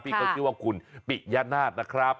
พี่เขาคิดว่าคุณปิญญาณาศนะครับ